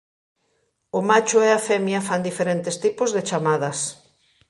O macho e a femia fan diferentes tipos de chamadas.